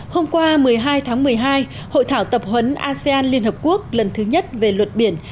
hôm qua một mươi hai tháng một mươi hai hội thảo tập huấn asean lhq lần thứ nhất về luật biển